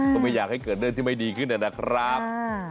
ก็ไม่อยากให้เกิดเรื่องที่ไม่ดีขึ้นนะครับ